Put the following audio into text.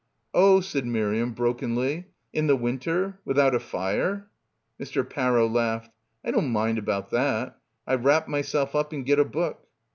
"Oh," said Miriam brokenly, "in the winter? Without a fire?" Mr. Parrow laughed. "I don't mind about that. I wtap myself up and get a book.